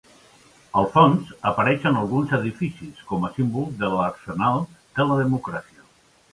Al fons apareixen alguns edificis, com a símbol de l'arsenal de la democràcia.